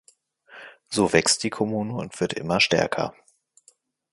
So wächst die Kommune und wird immer stärker.